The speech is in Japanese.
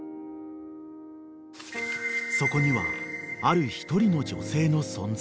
［そこにはある一人の女性の存在］